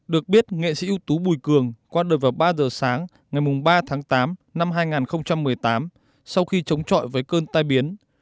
được biết nghệ sĩ ưu tú bùi cường qua đời vào ba giờ sáng ngày ba tháng tám năm hai nghìn một mươi tám sau khi chống chọi với cơn tai biến